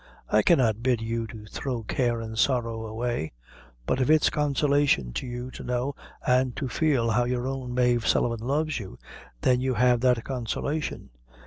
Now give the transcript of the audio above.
I cannot bid you to throw care and sorrow away; but if it's consolation to you to know an' to feel how your own Mave Sullivan loves you, then you have that consolation.